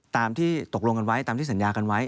ตามที่ตกลงกันไว้ตามที่สัญญากันไว้